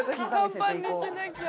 短パンにしなきゃ。